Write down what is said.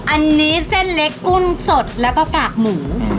อันนี้เส้นเล็กกุ้งสดแล้วก็กากหมู